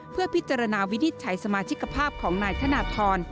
เพื่อพิจารณาวิธีใช้สมาชิกภาพของนายธนธรรม